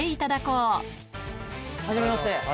はじめまして。